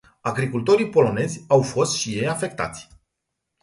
Agricultorii polonezi au fost și ei afectați.